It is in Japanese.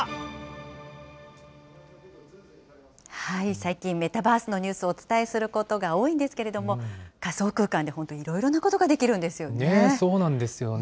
最近、メタバースのニュースをお伝えすることが多いんですけれども、仮想空間で本当、いろいろなことができるんですよね。